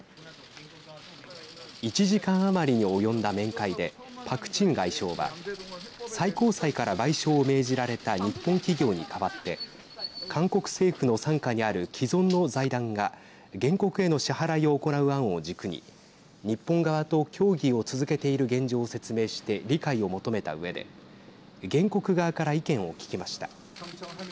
１時間余りに及んだ面会でパク・チン外相は最高裁から賠償を命じられた日本企業に代わって韓国政府の傘下にある既存の財団が原告への支払いを行う案を軸に日本側と協議を続けている現状を説明して理解を求めたうえで、原告側から意見を聞きました。